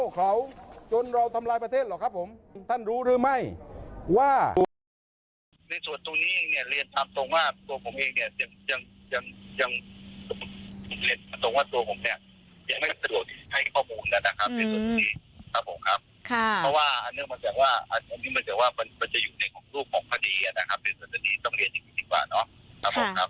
เพราะว่าอันนี้มันจะอยู่ในของรูปของคดีนะครับเป็นสถานีต้องเรียนอีกนิดนึงดีกว่าเนอะ